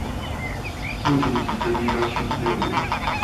目前只整理到去年六月